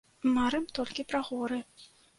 Марым толькі пра горы.